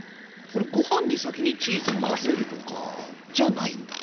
これご飯に先にチーズ混ぜるとかじゃないんだ。